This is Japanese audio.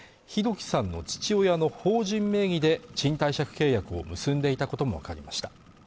輝さんの父親の法人名義で賃貸借契約を結んでいたことも分かりました